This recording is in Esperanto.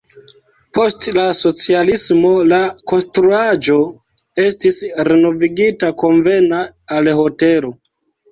Post la socialismo la konstruaĵo estis renovigita konvena al hotelo.